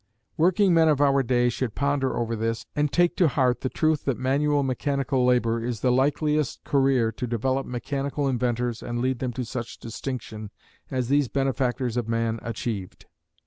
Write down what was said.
Workingmen of our day should ponder over this, and take to heart the truth that manual mechanical labor is the likeliest career to develop mechanical inventors and lead them to such distinction as these benefactors of man achieved.